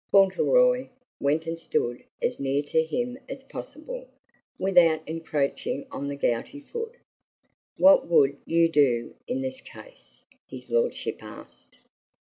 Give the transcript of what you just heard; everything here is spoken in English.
Fauntleroy went and stood as near to him as possible without encroaching on the gouty foot. "What would YOU do in this case?" his lordship asked.